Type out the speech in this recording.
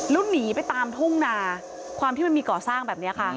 แล้วหนีไปตามทุ่งนาความที่มันมีก่อสร้างแบบนี้ค่ะ